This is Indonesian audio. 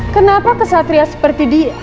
kenapa kesatria seperti dia